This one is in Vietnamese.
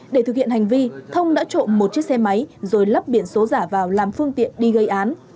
để thực hiện hành vi thông đã trộm một chiếc xe máy rồi lắp biển số giả vào làm phương tiện đi gây án